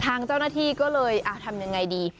ทางเจ้าหน้าที่ก็เลยทำยังไงดี